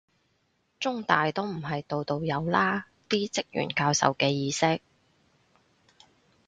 中大都唔係度度有啦，啲職員教授嘅意識